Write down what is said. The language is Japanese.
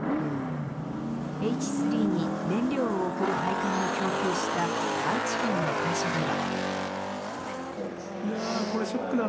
Ｈ３に燃料を送る配管を供給した愛知県の会社では。